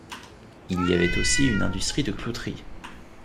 Il y avait aussi une industrie de clouterie.